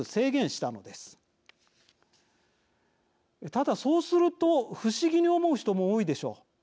ただ、そうすると不思議に思う人も多いでしょう。